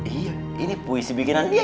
iya ini puisi bikinannya